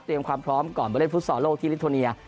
ความพร้อมก่อนไปเล่นฟุตซอลโลกที่ลิโทเนีย